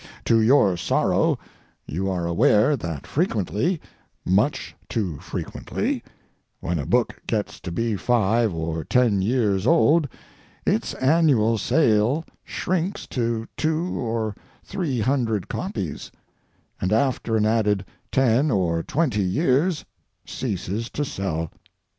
To your sorrow you are aware that frequently, much too frequently, when a book gets to be five or ten years old its annual sale shrinks to two or three hundred copies, and after an added ten or twenty years ceases to sell.